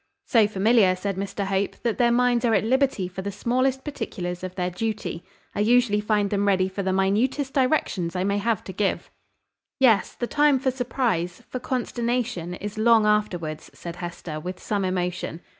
"So familiar," said Mr Hope, "that their minds are at liberty for the smallest particulars of their duty. I usually find them ready for the minutest directions I may have to give." "Yes: the time for surprise, for consternation, is long afterwards," said Hester, with some emotion.